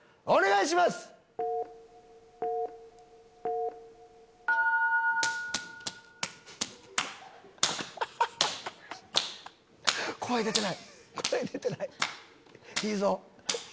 いいぞ。